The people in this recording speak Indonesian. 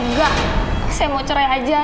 enggak saya mau cerai aja